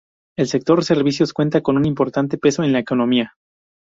El sector servicios cuenta con un importante peso en la economía.